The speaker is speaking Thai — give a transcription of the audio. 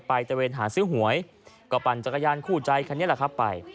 ตะเวนหาซื้อหวยก็ปั่นจักรยานคู่ใจคันนี้แหละครับไป